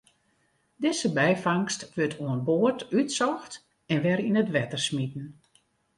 Dizze byfangst wurdt oan board útsocht en wer yn it wetter smiten.